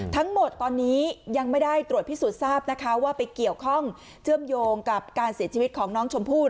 ทั้งหมดตอนนี้ยังไม่ได้ตรวจพิสูจน์ทราบนะคะว่าไปเกี่ยวข้องเชื่อมโยงกับการเสียชีวิตของน้องชมพู่